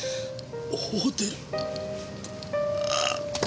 ホテル。